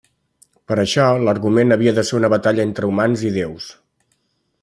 Per això, l'argument havia de ser una batalla entre humans i déus.